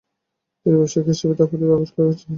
তিনি ব্যবসায়ী হিসাবে তার প্রতিভা আবিষ্কার করেছিলেন।